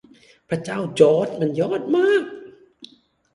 พระเจ้าจอร์จมันยอดมาก